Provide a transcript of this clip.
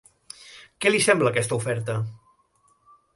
Què li sembla aquesta oferta?